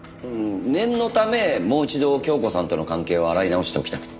念のためもう一度京子さんとの関係を洗い直しておきたくて。